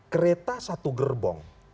kereta satu gerbong